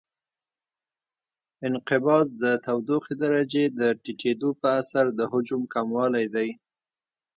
انقباض د تودوخې درجې د ټیټېدو په اثر د حجم کموالی دی.